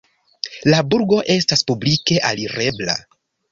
La burgo estas publike alirebla.